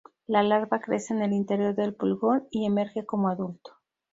La larva crece en el interior del pulgón y emerge como adulto.